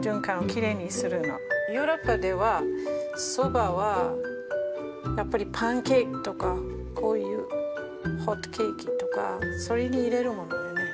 ヨーロッパではそばはやっぱりパンケーキとかこういうホットケーキとかそれに入れるものよね。